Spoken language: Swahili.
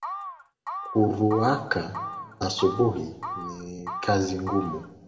Kuruaka asubuhi ni kazi ngumu